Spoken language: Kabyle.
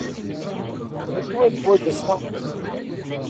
D acu ay neḥwaj ass-a?